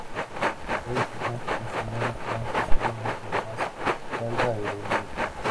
Detalles que junto con sus nuevas branquias, aportan aún más carga aerodinámica.